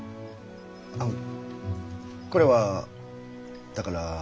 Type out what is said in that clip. あのこれはだから。